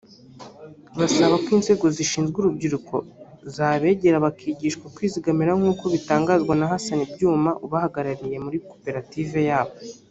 Basaba ko inzego zishinzwe urubyiruko zabegera bakigishwa kwizigamira nk’uko bitangazwa na Hassan Byuma ubahagarariye muri Koperative yabo